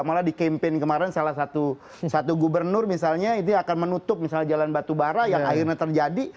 malah di campaign kemarin salah satu gubernur misalnya itu akan menutup misalnya jalan batu bara yang akhirnya terjadi